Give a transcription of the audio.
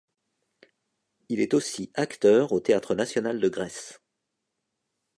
Il est aussi acteur au Théâtre national de Grèce.